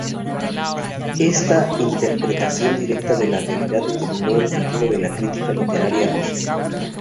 Esta interpretación directa de la realidad determinó el futuro de la crítica literaria rusa.